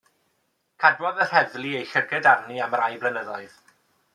Cadwodd yr heddlu eu llygad arni am rai blynyddoedd.